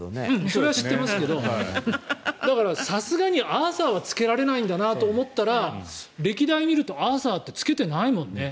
それは知っていますけどさすがにアーサーはつけられないんだなと思ったら歴代を見るとアーサーってつけてないもんね。